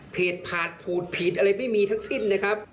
ผ่านผูดผิดอะไรไม่มีทั้งสิ้นนะครับ